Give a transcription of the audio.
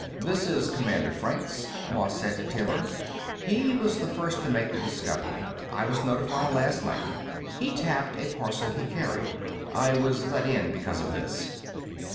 "This is Commander Franks," Moss said to Taylor. "He was the first to make the discovery. I was notified last night." He tapped a parcel he carried. "I was let in because of this."